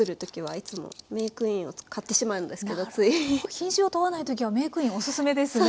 品種を問わないときはメークインおすすめですね。